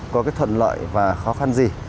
có thuận lợi và khó khăn gì